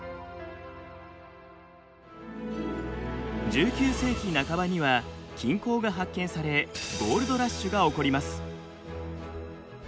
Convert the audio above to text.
１９世紀半ばには金鉱が発見されゴールドラッシュが起こります。